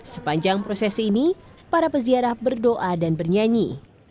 sepanjang prosesi ini para peziarah berdoa dan bernyanyi